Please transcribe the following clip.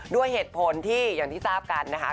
ด้วยเหตุผลที่อย่างที่ทราบกันนะคะ